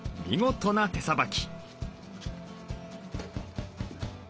見事な手さばき。